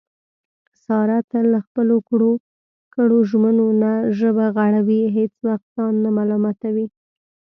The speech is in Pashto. ساره تل له خپلو کړو ژمنو نه ژبه غړوي، هېڅ وخت ځان نه ملامتوي.